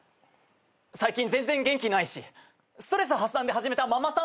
最近全然元気ないしストレス発散で始めたママさん